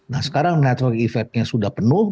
nah sekarang network effectnya sudah penuh